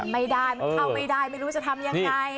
ไม่ได้มันเข้าไม่ได้ไม่รู้จะทำยังไง